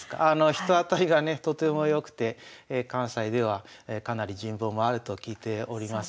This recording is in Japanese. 人当たりがねとてもよくて関西ではかなり人望もあると聞いております。